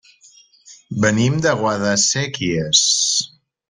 Venim de Guadasséquies.